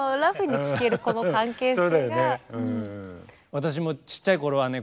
私もちっちゃいころはね